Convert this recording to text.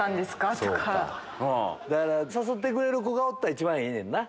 誘ってくれる子がおったら一番ええねんな。